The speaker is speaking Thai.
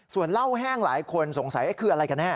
ส่วนเหล้าแห้งหลายคนสงสัยคืออะไรกันแน่